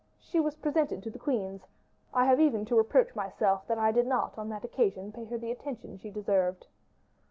She was presented to the queens. I have even to reproach myself that I did not on that occasion pay her the attention she deserved."